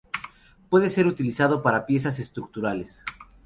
Puede ser utilizado para piezas estructurales.